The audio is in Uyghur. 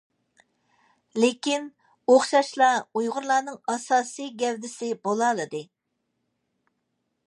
لېكىن ئوخشاشلا ئۇيغۇرنىڭ ئاساسى گەۋدىسى بولالىدى.